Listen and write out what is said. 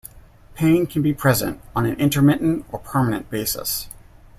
Pain can be present on an intermittent or permanent basis.